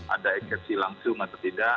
ada eksepsi langsung atau tidak